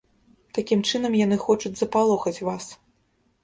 Такім чынам яны хочуць запалохаць вас.